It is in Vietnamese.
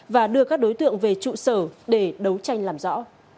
và đưa các đối tượng về trụ sở để đấu tranh làm rõ